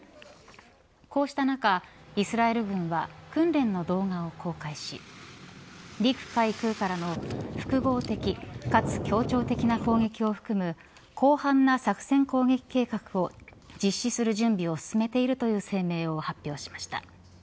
こうした中、イスラエル軍は訓練の動画を公開し陸、海、空からの複合的かつ協調的な攻撃を含む広範な作戦攻撃計画を実施する準備を進めているとの声明を発表しました。